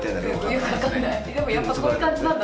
でもやっぱそういう感じなんだ。